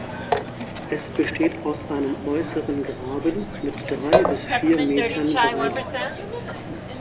Es besteht aus einem äußeren Graben mit drei bis vier Metern Breite.